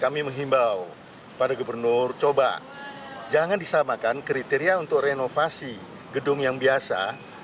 kami menghimbau pada gubernur coba jangan disamakan kriteria untuk renovasi gedung yang biasa